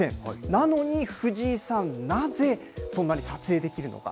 なのに藤井さん、なぜ、そんなに撮影できるのか。